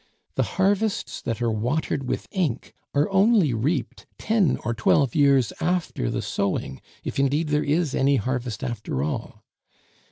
The harvests that are watered with ink are only reaped ten or twelve years after the sowing, if indeed there is any harvest after all.